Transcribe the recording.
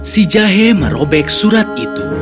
si jahe merobek surat itu